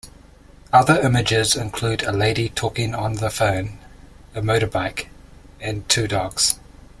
Other images include a lady talking on the phone, a motorbike, and two dogs.